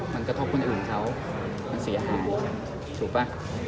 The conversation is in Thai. มันกระทบคนอื่นเขามันเสียหายถูกป่ะ